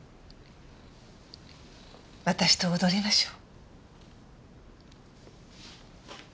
私と踊りましょう。